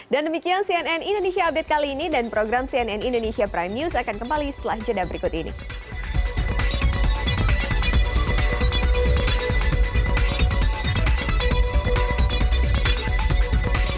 dan demikian cnn indonesia update kali ini dan program cnn indonesia prime news akan kembali setelah jeda berikut ini